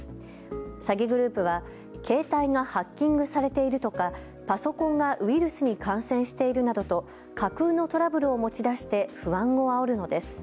詐欺グループは携帯がハッキングされているとかパソコンがウイルスに感染しているなどと架空のトラブルを持ち出して不安をあおるのです。